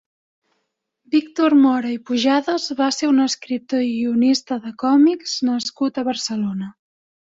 Víctor Mora i Pujadas va ser un escriptor i guionista de còmics nascut a Barcelona.